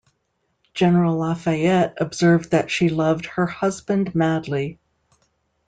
General Lafayette observed that she loved "her husband madly".